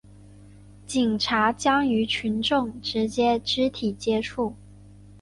警察将与群众直接肢体接触